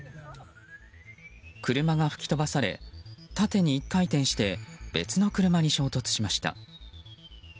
車が吹き飛ばされ縦に１回転して別の車に衝突しました。